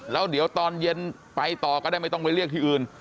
แล้วเดี๋ยวตอนเย็นไปต่อก็ได้ไม่ต้องไปเรียกที่อื่น